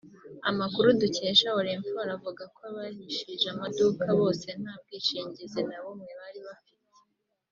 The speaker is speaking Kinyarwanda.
Amakuru dukesha Orinfor avuga ko abahishije amaduka bose nta bwishingizi na bumwe bari bafite